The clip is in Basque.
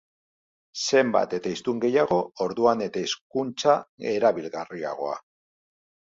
Zenbat eta hiztun gehiago, orduan eta hizkuntza erabilgarriagoa.